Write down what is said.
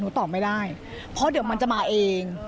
ตอบไม่ได้เพราะเดี๋ยวมันจะมาเอง